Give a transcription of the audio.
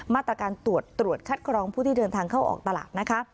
มาตรการตรวจตรวจคัดกรองผู้ที่เดินทางเข้าออกตลาดนะคะ